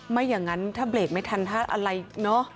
ไม่อย่างนั้นถ้าเบรกไม่ทันถ้าอะไรเนอะ